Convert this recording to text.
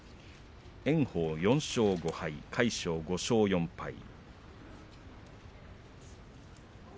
炎鵬、４勝５敗魁勝、５勝４敗。